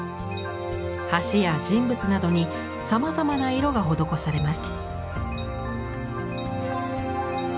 橋や人物などにさまざまな色が施されます。